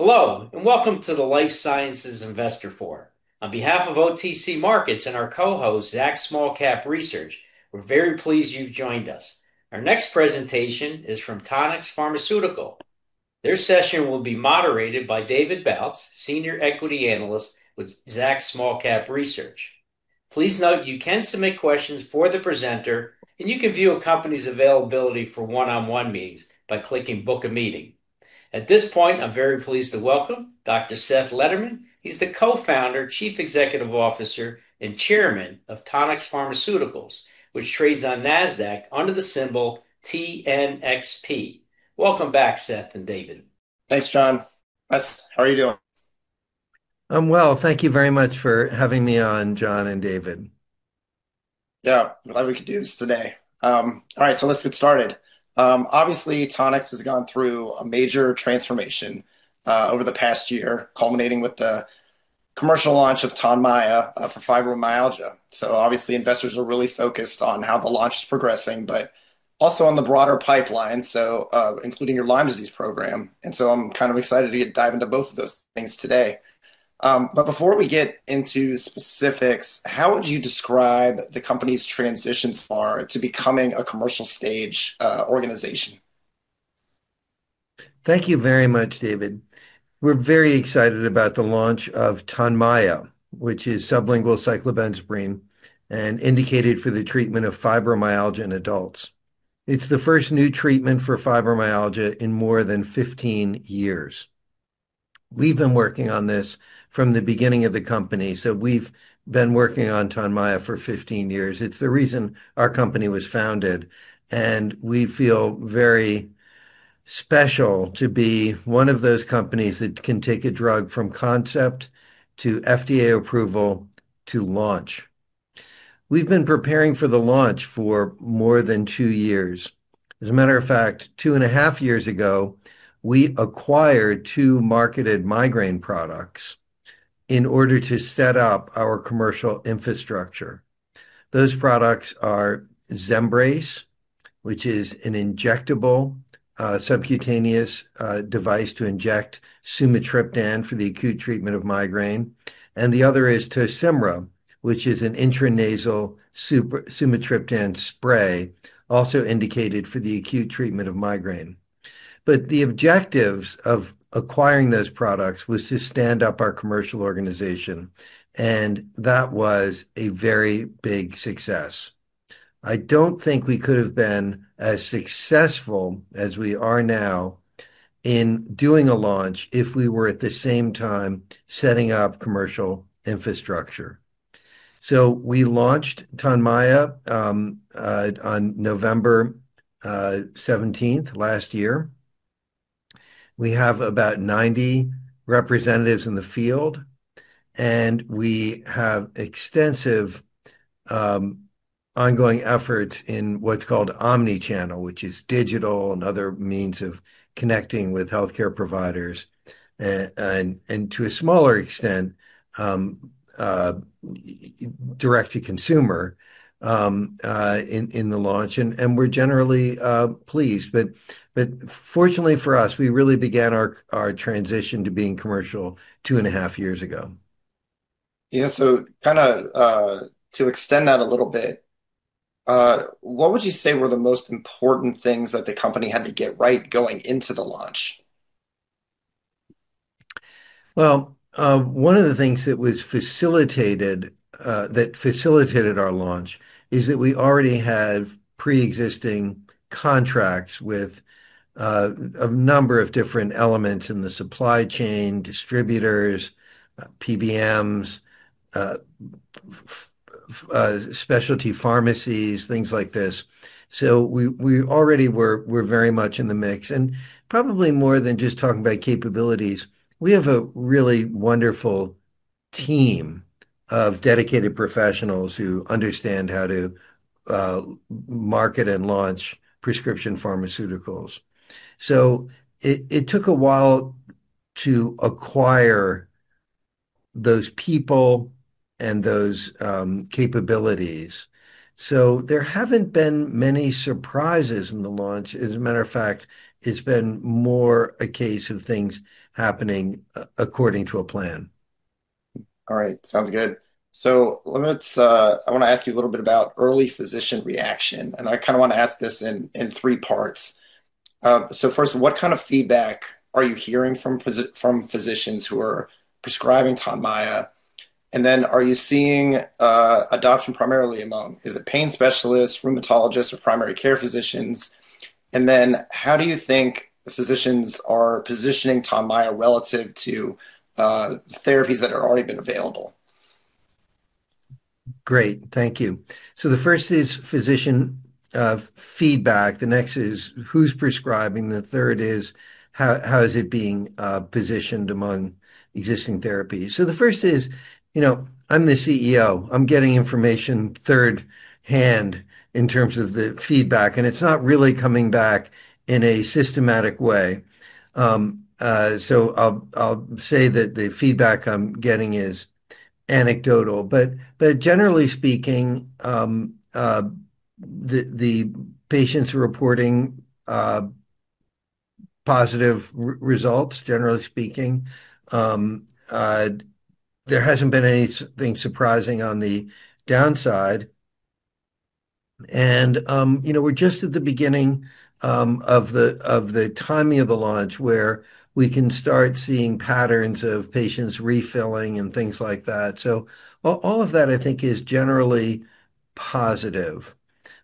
Hello, and welcome to the Life Sciences Investor Forum. On behalf of OTC Markets and our co-host, Zacks Small Cap Research, we're very pleased you've joined us. Our next presentation is from Tonix Pharmaceuticals. Their session will be moderated by David Bautz, Senior Analyst with Zacks Small Cap Research. Please note you can submit questions for the presenter, and you can view a company's availability for one-on-one meetings by clicking Book a Meeting. At this point, I'm very pleased to welcome Dr. Seth Lederman. He's the Co-founder, Chief Executive Officer, and Chairman of Tonix Pharmaceuticals, which trades on Nasdaq under the symbol TNXP. Welcome back, Seth and David. Thanks, Jason. Seth, how are you doing? I'm well. Thank you very much for having me on, John and David. Yeah. Glad we could do this today. All right, let's get started. Obviously Tonix has gone through a major transformation over the past year, culminating with the commercial launch of Tonmya for fibromyalgia. Obviously investors are really focused on how the launch is progressing, but also on the broader pipeline, so including your Lyme disease program. I'm kind of excited to dive into both of those things today. Before we get into specifics, how would you describe the company's transition so far to becoming a commercial stage organization? Thank you very much, David. We're very excited about the launch of Tonmya, which is sublingual cyclobenzaprine, and indicated for the treatment of fibromyalgia in adults. It's the first new treatment for fibromyalgia in more than 15 years. We've been working on this from the beginning of the company, so we've been working on Tonmya for 15 years. It's the reason our company was founded, and we feel very special to be one of those companies that can take a drug from concept to FDA approval to launch. We've been preparing for the launch for more than two years. As a matter of fact, two and a half years ago, we acquired two marketed migraine products in order to set up our commercial infrastructure. Those products are Zembrace, which is an injectable, subcutaneous, device to inject sumatriptan for the acute treatment of migraine, and the other is Tosymra, which is an intranasal sumatriptan spray, also indicated for the acute treatment of migraine. The objectives of acquiring those products was to stand up our commercial organization, and that was a very big success. I don't think we could have been as successful as we are now in doing a launch if we were at the same time setting up commercial infrastructure. We launched Tonmya on November seventeenth last year. We have about 90 representatives in the field, and we have extensive, ongoing efforts in what's called omnichannel, which is digital and other means of connecting with healthcare providers, and to a smaller extent, direct to consumer in the launch. We're generally pleased. Fortunately for us, we really began our transition to being commercial two and a half years ago. Yeah. Kinda, to extend that a little bit, what would you say were the most important things that the company had to get right going into the launch? Well, one of the things that was facilitated, that facilitated our launch is that we already had preexisting contracts with, a number of different elements in the supply chain, distributors, PBMs, specialty pharmacies, things like this. We already were very much in the mix. Probably more than just talking about capabilities, we have a really wonderful team of dedicated professionals who understand how to market and launch prescription pharmaceuticals. It took a while to acquire those people and those capabilities. There haven't been many surprises in the launch. As a matter of fact, it's been more a case of things happening according to a plan. All right. Sounds good. Let's, I wanna ask you a little bit about early physician reaction, and I kinda wanna ask this in three parts. First, what kind of feedback are you hearing from physicians who are prescribing Tonmya? Are you seeing adoption primarily among, is it pain specialists, rheumatologists, or primary care physicians? How do you think physicians are positioning Tonmya relative to therapies that have already been available? Great. Thank you. The first is physician feedback. The next is who's prescribing. The third is how is it being positioned among existing therapies. The first is, you know, I'm the CEO. I'm getting information thirdhand in terms of the feedback, and it's not really coming back in a systematic way. I'll say that the feedback I'm getting is anecdotal. But generally speaking, the patients are reporting positive results, generally speaking. There hasn't been anything surprising on the downside. You know, we're just at the beginning of the timing of the launch where we can start seeing patterns of patients refilling and things like that. All of that I think is generally positive.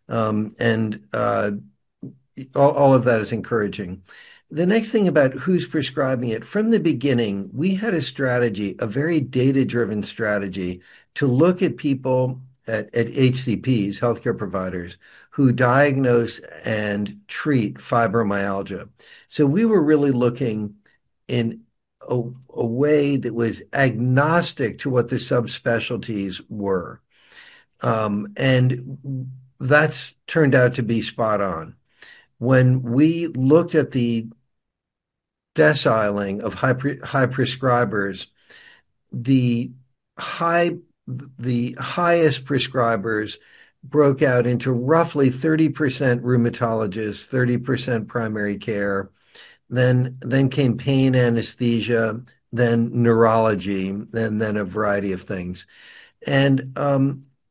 All of that is encouraging. The next thing about who's prescribing it, from the beginning, we had a strategy, a very data-driven strategy, to look at people at HCPs, healthcare providers, who diagnose and treat fibromyalgia. We were really looking in a way that was agnostic to what the subspecialties were. That's turned out to be spot on. When we looked at the deciling of high prescribers, the highest prescribers broke out into roughly 30% rheumatologists, 30% primary care, then came pain anesthesia, then neurology, and then a variety of things.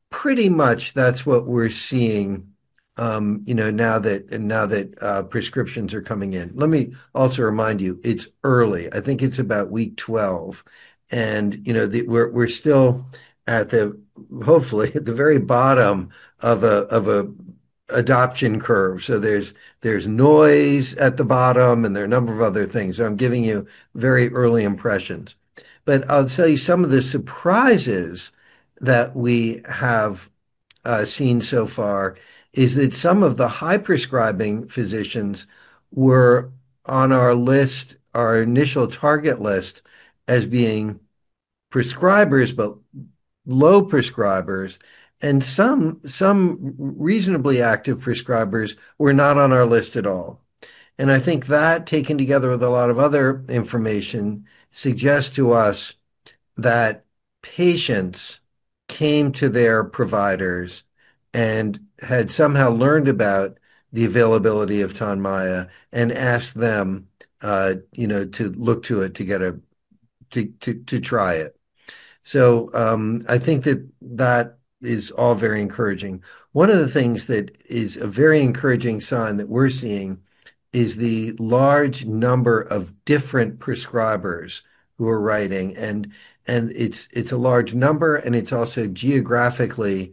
Pretty much that's what we're seeing, you know, now that prescriptions are coming in. Let me also remind you, it's early. I think it's about week 12, and you know, we're still hopefully at the very bottom of a adoption curve. There's noise at the bottom, and there are a number of other things. I'm giving you very early impressions. I'll tell you some of the surprises that we have seen so far is that some of the high-prescribing physicians were on our list, our initial target list, as being prescribers, but low prescribers, and some reasonably active prescribers were not on our list at all. I think that, taken together with a lot of other information, suggests to us that patients came to their providers and had somehow learned about the availability of Tonmya and asked them, you know, to look to it to get a to try it. I think that is all very encouraging. One of the things that is a very encouraging sign that we're seeing is the large number of different prescribers who are writing and it's a large number, and it's also geographically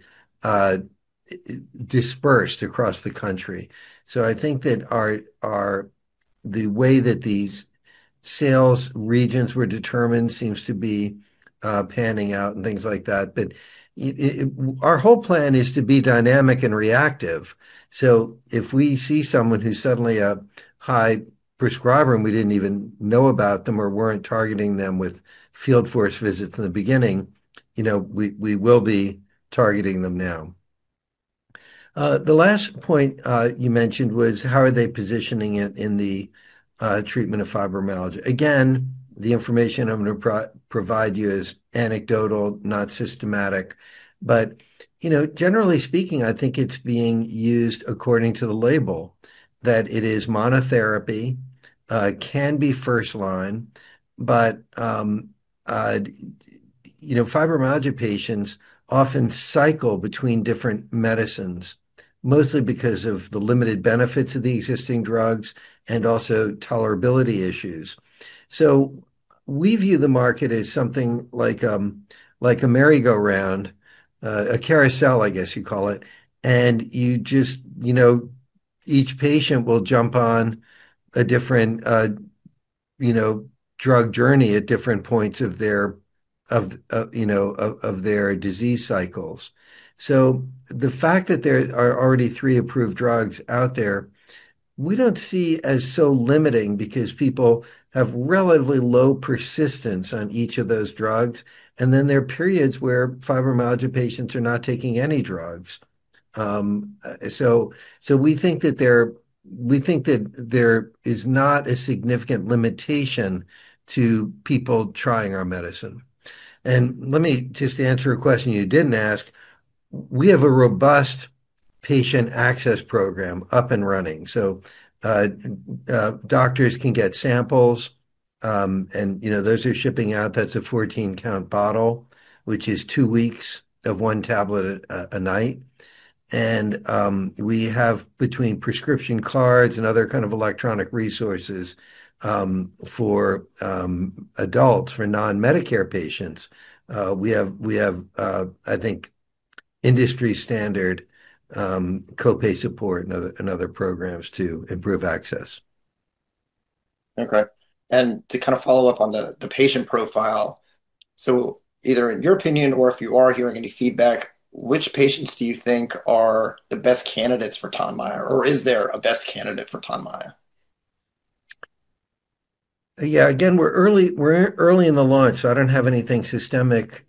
dispersed across the country. I think that the way that these sales regions were determined seems to be panning out and things like that. Our whole plan is to be dynamic and reactive. If we see someone who's suddenly a high prescriber and we didn't even know about them or weren't targeting them with field force visits in the beginning, you know, we will be targeting them now. The last point you mentioned was how are they positioning it in the treatment of fibromyalgia? Again, the information I'm gonna provide you is anecdotal, not systematic. You know, generally speaking, I think it's being used according to the label, that it is monotherapy, can be first line. You know, fibromyalgia patients often cycle between different medicines, mostly because of the limited benefits of the existing drugs and also tolerability issues. We view the market as something like a merry-go-round, a carousel, I guess you'd call it. You know, each patient will jump on a different drug journey at different points of their disease cycles. The fact that there are already three approved drugs out there, we don't see as so limiting because people have relatively low persistence on each of those drugs. There are periods where fibromyalgia patients are not taking any drugs. We think that there is not a significant limitation to people trying our medicine. Let me just answer a question you didn't ask. We have a robust patient access program up and running. Doctors can get samples, and, you know, those are shipping out. That's a 14-count bottle, which is 2 weeks of one tablet a night. We have between prescription cards and other kind of electronic resources, for adults, for non-Medicare patients, we have I think industry standard co-pay support and other programs to improve access. Okay. To kind of follow up on the patient profile, so either in your opinion or if you are hearing any feedback, which patients do you think are the best candidates for Tonmya, or is there a best candidate for Tonmya? Yeah. Again, we're early in the launch, so I don't have anything systematic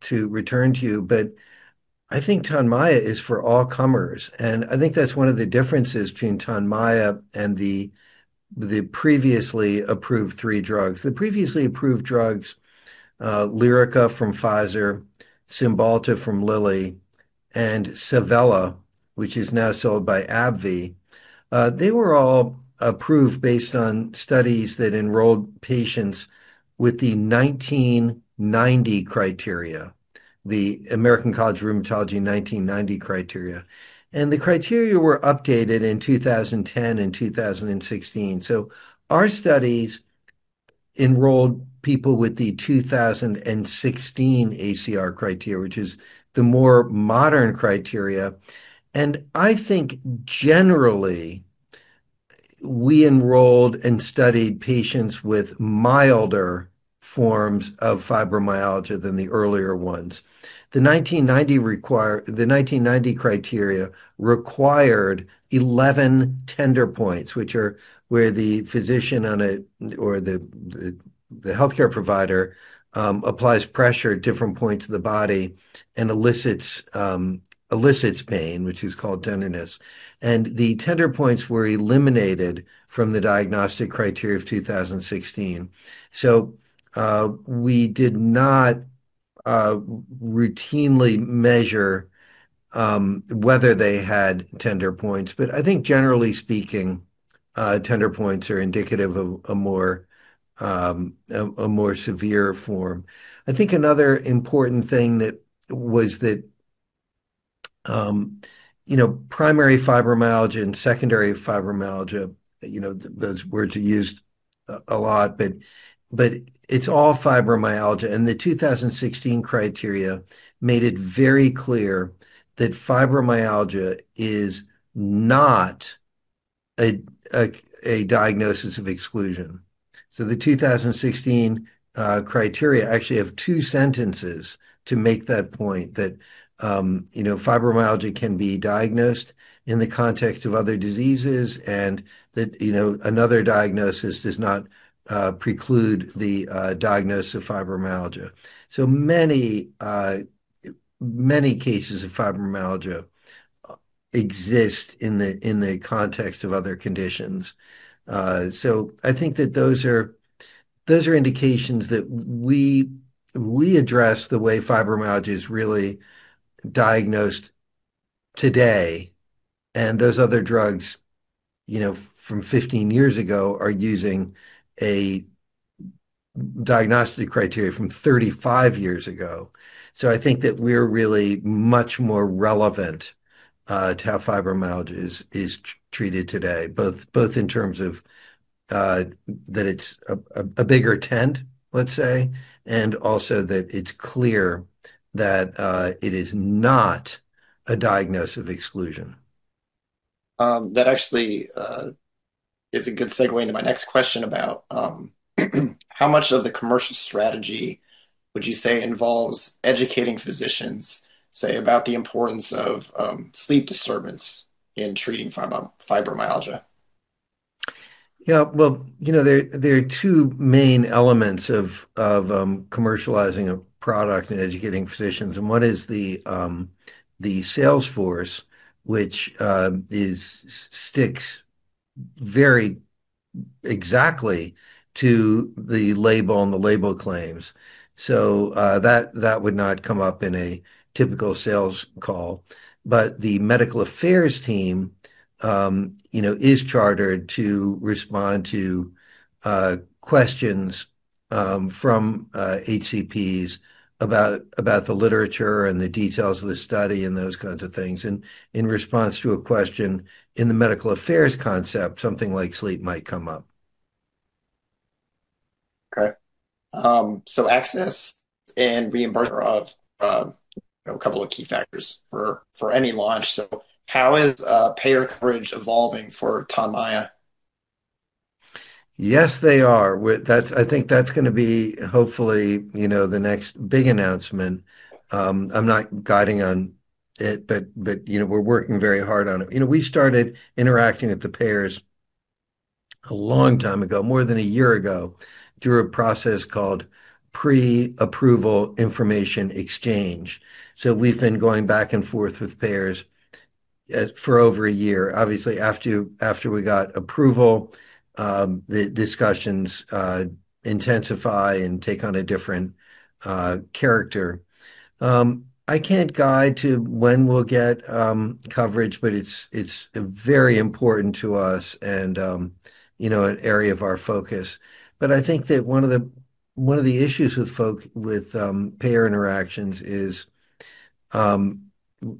to return to you, but I think Tonmya is for all comers. I think that's one of the differences between Tonmya and the previously approved three drugs. The previously approved drugs, Lyrica from Pfizer, Cymbalta from Lilly, and Savella, which is now sold by AbbVie, they were all approved based on studies that enrolled patients with the 1990 criteria, the American College of Rheumatology 1990 criteria. The criteria were updated in 2010 and 2016. Our studies enrolled people with the 2016 ACR criteria, which is the more modern criteria. I think generally we enrolled and studied patients with milder forms of fibromyalgia than the earlier ones. The 1990 criteria required 11 tender points, which are where the physician or the healthcare provider applies pressure at different points of the body and elicits pain, which is called tenderness. The tender points were eliminated from the diagnostic criteria of 2016. We did not routinely measure whether they had tender points. I think generally speaking, tender points are indicative of a more severe form. I think another important thing that was that, you know, primary fibromyalgia and secondary fibromyalgia, you know, those words are used a lot, but it's all fibromyalgia. The 2016 criteria made it very clear that fibromyalgia is not a diagnosis of exclusion. The 2016 criteria actually have two sentences to make that point, that fibromyalgia can be diagnosed in the context of other diseases and that another diagnosis does not preclude the diagnosis of fibromyalgia. Many cases of fibromyalgia exist in the context of other conditions. I think that those are indications that we address the way fibromyalgia is really diagnosed today, and those other drugs from 15 years ago are using a diagnostic criteria from 35 years ago. I think that we're really much more relevant to how fibromyalgia is treated today, both in terms of that it's a bigger tent, let's say, and also that it's clear that it is not a diagnosis of exclusion. That actually is a good segue into my next question about how much of the commercial strategy would you say involves educating physicians, say, about the importance of sleep disturbance in treating fibromyalgia? Yeah. Well, you know, there are two main elements of commercializing a product and educating physicians, and one is the sales force, which sticks very exactly to the label and the label claims. That would not come up in a typical sales call. The medical affairs team, you know, is chartered to respond to questions from HCPs about the literature and the details of the study and those kinds of things. In response to a question in the medical affairs context, something like sleep might come up. Okay. Access and reimbursement are, you know, a couple of key factors for any launch. How is payer coverage evolving for Tonmya? Yes, they are. I think that's gonna be hopefully, you know, the next big announcement. I'm not guiding on it, but, you know, we're working very hard on it. You know, we started interacting with the payers a long time ago, more than a year ago, through a process called pre-approval information exchange. We've been going back and forth with payers for over a year. Obviously, after we got approval, the discussions intensify and take on a different character. I can't guide to when we'll get coverage, but it's very important to us and, you know, an area of our focus. I think that one of the issues with payer interactions is,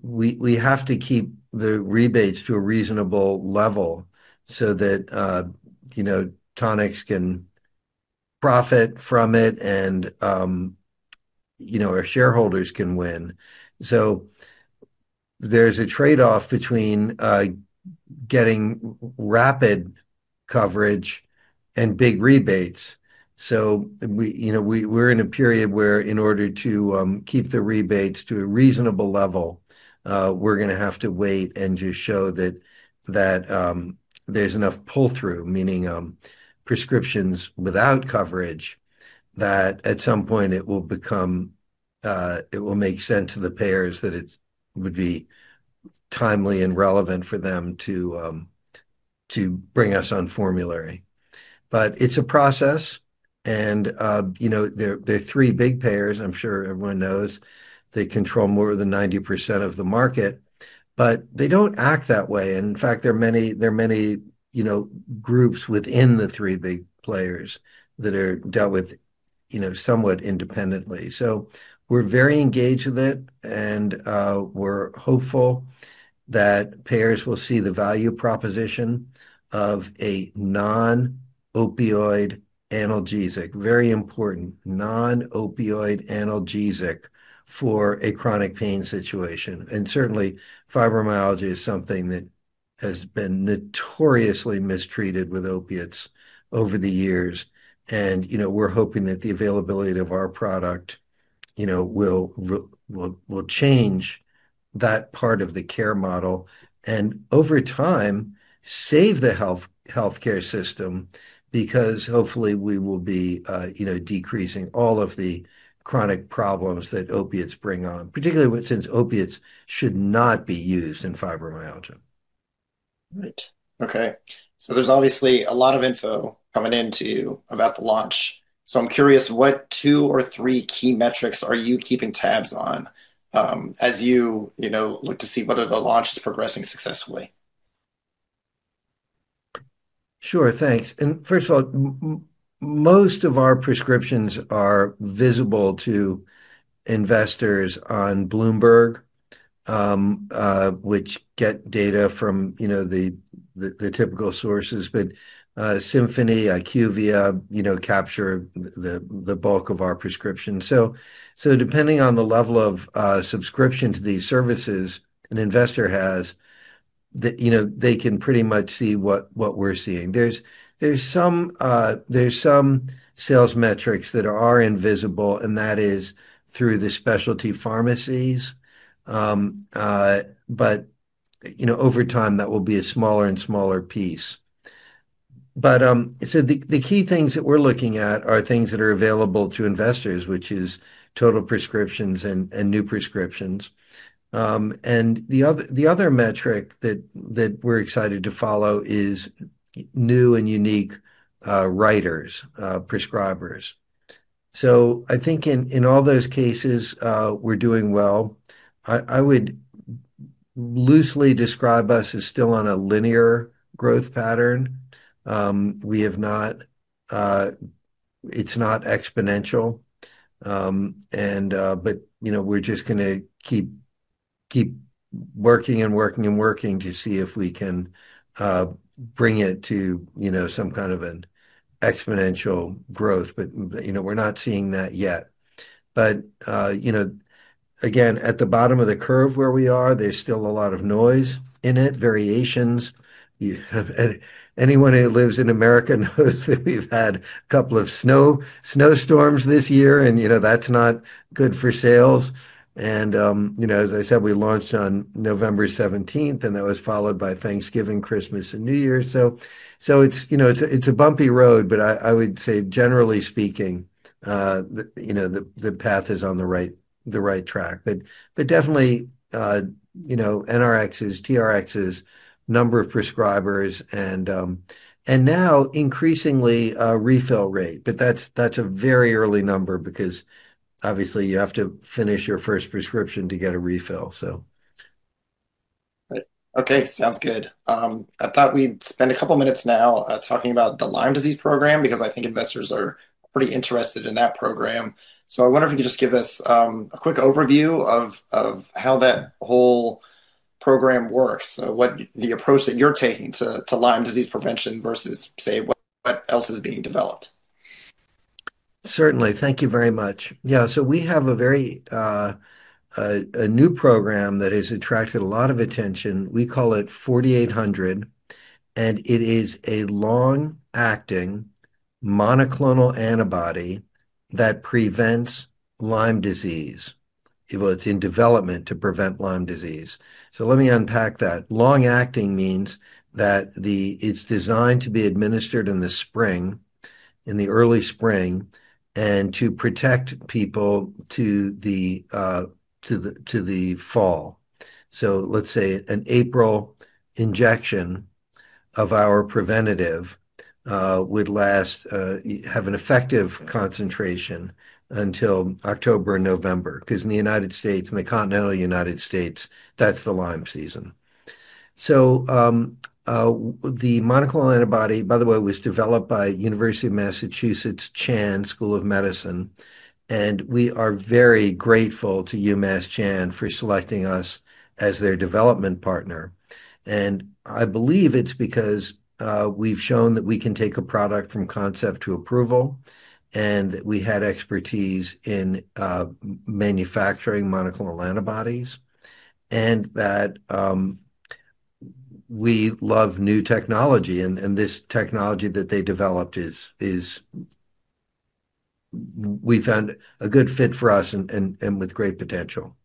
we have to keep the rebates to a reasonable level so that, you know, Tonix can profit from it and, you know, our shareholders can win. There's a trade-off between getting rapid coverage and big rebates. You know, we're in a period where in order to keep the rebates to a reasonable level, we're gonna have to wait and just show that there's enough pull-through, meaning prescriptions without coverage, that at some point it will make sense to the payers that it would be timely and relevant for them to bring us on formulary. It's a process, and, you know, there are three big payers, I'm sure everyone knows. They control more than 90% of the market, but they don't act that way. In fact, there are many, you know, groups within the three big players that are dealt with, you know, somewhat independently. We're very engaged with it, and we're hopeful that payers will see the value proposition of a non-opioid analgesic, very important, non-opioid analgesic for a chronic pain situation. Certainly, fibromyalgia is something that has been notoriously mistreated with opiates over the years. We're hoping that the availability of our product, you know, will change that part of the care model, and over time, save the healthcare system because hopefully we will be, you know, decreasing all of the chronic problems that opiates bring on, particularly since opiates should not be used in fibromyalgia. Right. Okay. There's obviously a lot of info coming in, too, about the launch. I'm curious what two or three key metrics are you keeping tabs on, as you know, look to see whether the launch is progressing successfully? Sure. Thanks. First of all, most of our prescriptions are visible to investors on Bloomberg, which get data from, you know, the typical sources. Symphony, IQVIA, you know, capture the bulk of our prescriptions. Depending on the level of subscription to these services an investor has, you know, they can pretty much see what we're seeing. There's some sales metrics that are invisible, and that is through the specialty pharmacies. You know, over time, that will be a smaller and smaller piece. The key things that we're looking at are things that are available to investors, which is total prescriptions and new prescriptions. The other metric that we're excited to follow is new and unique writers, prescribers. I think in all those cases, we're doing well. I would loosely describe us as still on a linear growth pattern. It's not exponential. You know, we're just gonna keep working and working and working to see if we can bring it to, you know, some kind of an exponential growth. You know, we're not seeing that yet. You know, again, at the bottom of the curve where we are, there's still a lot of noise in it, variations. Anyone who lives in America knows that we've had a couple of snowstorms this year, and you know, that's not good for sales. You know, as I said, we launched on November seventeenth, and that was followed by Thanksgiving, Christmas, and New Year. You know, it's a bumpy road, but I would say generally speaking, you know, the path is on the right track. Definitely, you know, NRxs, TRxs, number of prescribers, and now increasingly, refill rate. That's a very early number because obviously you have to finish your first prescription to get a refill. Right. Okay. Sounds good. I thought we'd spend a couple minutes now, talking about the Lyme disease program because I think investors are pretty interested in that program. I wonder if you could just give us a quick overview of how that whole program works. What the approach that you're taking to Lyme disease prevention versus, say, what else is being developed. Certainly. Thank you very much. Yeah. We have a very new program that has attracted a lot of attention. We call it forty-eight hundred, and it is a long-acting monoclonal antibody that prevents Lyme disease. Well, it's in development to prevent Lyme disease. Let me unpack that. Long-acting means that it's designed to be administered in the spring, in the early spring, and to protect people to the fall. Let's say an April injection of our preventative would last, have an effective concentration until October and November, 'cause in the United States, in the continental United States, that's the Lyme season. The monoclonal antibody, by the way, was developed by UMass Chan Medical School, and we are very grateful to UMass Chan for selecting us as their development partner. I believe it's because we've shown that we can take a product from concept to approval, and that we had expertise in manufacturing monoclonal antibodies, and that we love new technology. This technology that they developed is exciting. We found a good fit for us and with great potential.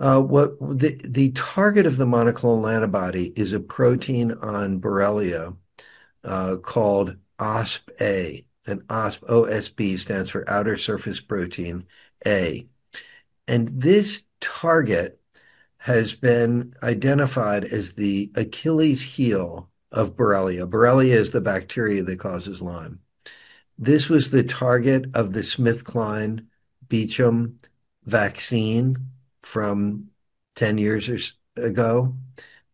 The target of the monoclonal antibody is a protein on Borrelia called OspA, and Osp, O-S-P, stands for outer surface protein A. This target has been identified as the Achilles' heel of Borrelia. Borrelia is the bacteria that causes Lyme. This was the target of the SmithKline Beecham vaccine from 10 years or so ago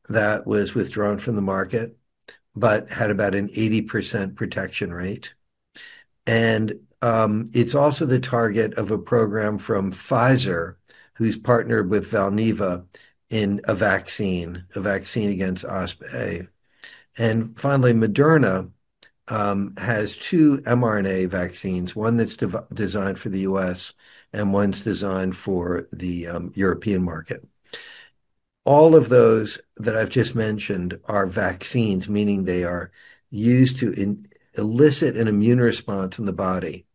that was withdrawn from the market, but had about an 80% protection rate. It's also the target of a program from Pfizer, who's partnered with Valneva in a vaccine against OspA. Finally, Moderna has two mRNA vaccines, one that's designed for the U.S., and one's designed for the European market. All of those that I've just mentioned are vaccines, meaning they are used to elicit an immune response in the body.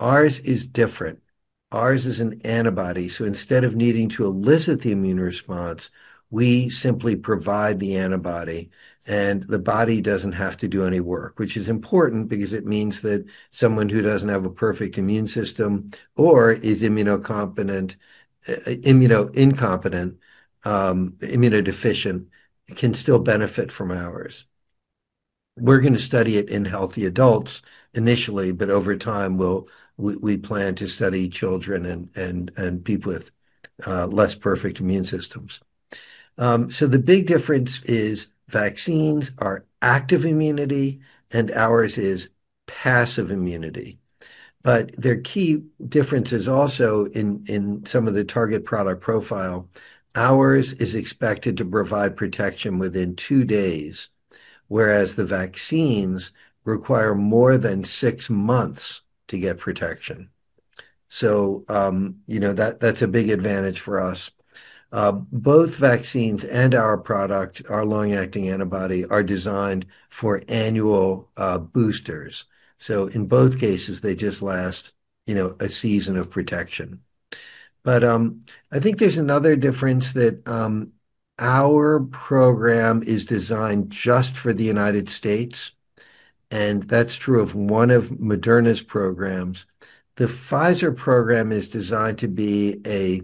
Ours is different. Ours is an antibody, so instead of needing to elicit the immune response, we simply provide the antibody, and the body doesn't have to do any work, which is important because it means that someone who doesn't have a perfect immune system or is immunodeficient can still benefit from ours. We're gonna study it in healthy adults initially, but over time we plan to study children and people with less perfect immune systems. The big difference is vaccines are active immunity, and ours is passive immunity. There are key differences also in some of the target product profile. Ours is expected to provide protection within two days, whereas the vaccines require more than six months to get protection. You know, that's a big advantage for us. Both vaccines and our product, our long-acting antibody, are designed for annual boosters. In both cases, they just last, you know, a season of protection. I think there's another difference that our program is designed just for the United States, and that's true of one of Moderna's programs. The Pfizer program is designed to be a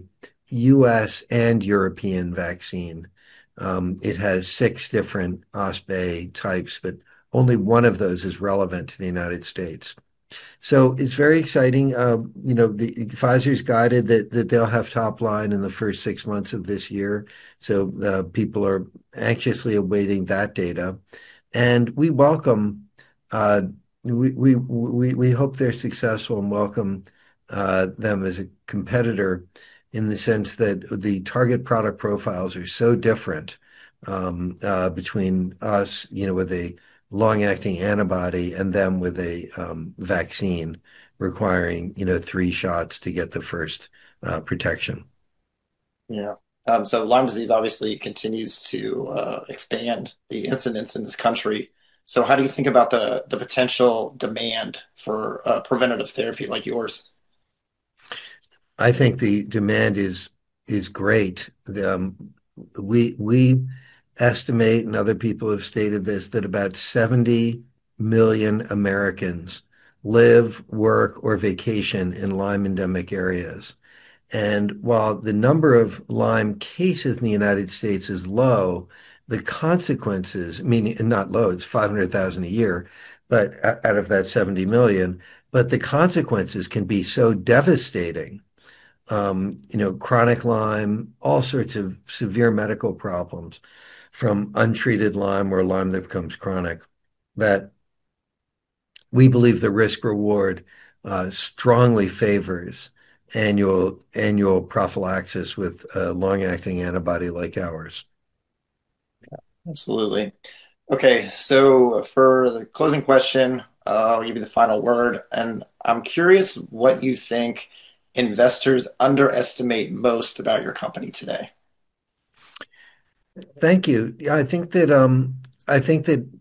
U.S. and European vaccine. It has six different OspA types, but only one of those is relevant to the United States. It's very exciting. You know, Pfizer's guided that they'll have top line in the first six months of this year, so the people are anxiously awaiting that data. We hope they're successful and welcome them as a competitor in the sense that the target product profiles are so different, between us, you know, with a long-acting antibody and them with a vaccine requiring, you know, three shots to get the first protection. Lyme disease obviously continues to expand the incidence in this country. How do you think about the potential demand for preventative therapy like yours? I think the demand is great. We estimate, and other people have stated this, that about 70 million Americans live, work, or vacation in Lyme endemic areas. While the number of Lyme cases in the United States is low, the consequences, meaning not low, it's 500,000 a year, but out of that 70 million. The consequences can be so devastating, you know, chronic Lyme, all sorts of severe medical problems from untreated Lyme or Lyme that becomes chronic, that we believe the risk-reward strongly favors annual prophylaxis with a long-acting antibody like ours. Yeah, absolutely. Okay. For the closing question, I'll give you the final word, and I'm curious what you think investors underestimate most about your company today? Thank you. I think that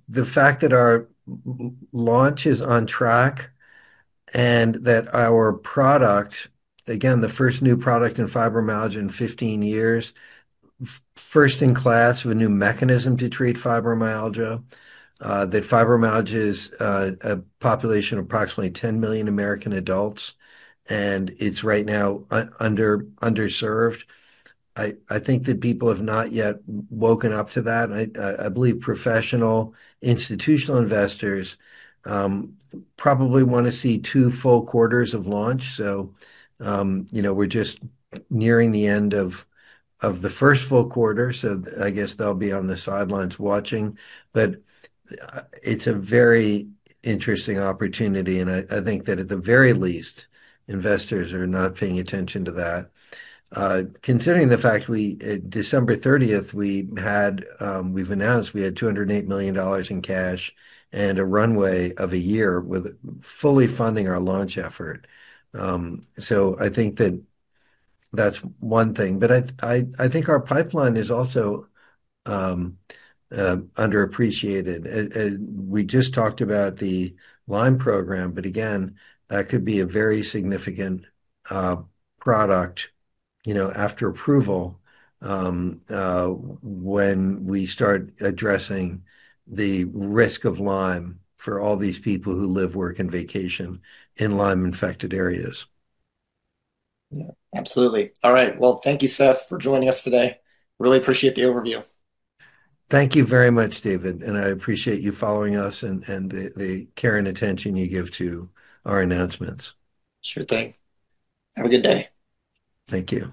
the fact that our launch is on track and that our product, again, the first new product in fibromyalgia in 15 years, first in class with a new mechanism to treat fibromyalgia, that fibromyalgia is a population approximately 10 million American adults, and it's right now underserved. I think that people have not yet woken up to that. I believe professional institutional investors probably wanna see 2 full quarters of launch. You know, we're just nearing the end of the first full quarter, so I guess they'll be on the sidelines watching. It's a very interesting opportunity, and I think that at the very least, investors are not paying attention to that. Considering the fact we December thirtieth, we had, we've announced we had $208 million in cash and a runway of a year with fully funding our launch effort. I think that that's one thing. I think our pipeline is also underappreciated. We just talked about the Lyme program, but again, that could be a very significant product, you know, after approval, when we start addressing the risk of Lyme for all these people who live, work, and vacation in Lyme-infected areas. Yeah. Absolutely. All right. Well, thank you, Seth, for joining us today. Really appreciate the overview. Thank you very much, David, and I appreciate you following us and the care and attention you give to our announcements. Sure thing. Have a good day. Thank you.